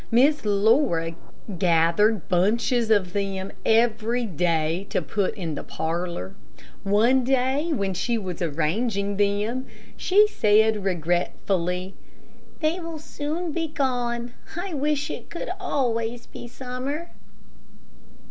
Miss Laura gathered bunches of them every day to put in the parlor. One day when she was arranging them, she said, regretfully, "They will soon be gone. I wish it could always be summer."